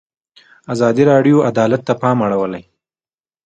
ازادي راډیو د عدالت ته پام اړولی.